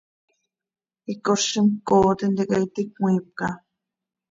Icozim ccooo tintica iti cömiipca.